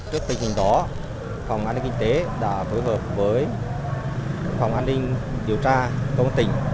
trước tình hình đó phòng an ninh kinh tế đã phối hợp với phòng an ninh điều tra công an tỉnh